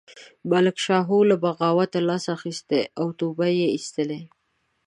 ملک شاهو له بغاوته لاس اخیستی او توبه یې ایستلې.